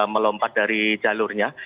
melompat dari jalurnya